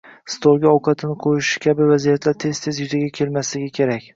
stolga ovqatini qo‘yishi kabi vaziyatlar tez-tez yuzaga kelmasligi kerak.